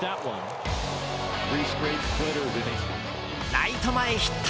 ライト前ヒット。